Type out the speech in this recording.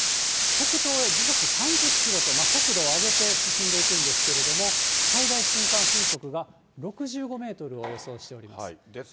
北東へ時速３０キロと、速度を上げて進んでいくんですけれども、最大瞬間風速が６５メートルを予想しております。